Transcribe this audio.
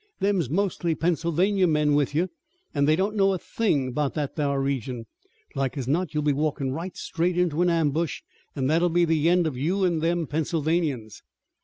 Them's mostly Pennsylvania men with you, an' they don't know a thing 'bout that thar region. Like as not you'll be walkin' right straight into an ambush, an' that'll be the end of you an' them Pennsylvanians."